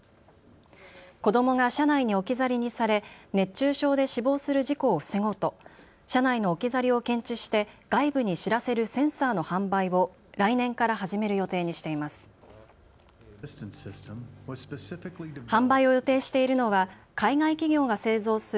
子どもが車内に置き去りにされ熱中症で死亡する事故を防ごうと車内の置き去りを検知して外部に知らせるセンサーの販売を来年から始める予定にしています。